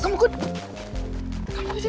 kamu kok disini